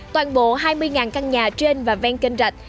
toàn bộ hai mươi căn nhà trên và ven kênh rạch